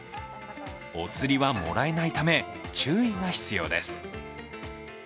お釣りはもらえないため注意が必要です。